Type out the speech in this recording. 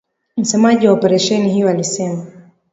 msemaji wa operesheni hiyo alisema